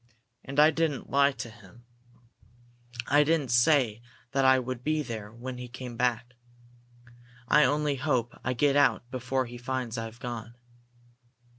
"And I didn't lie to him. I didn't say that I would be there when he came back. I only hope I get out before he finds I've gone!"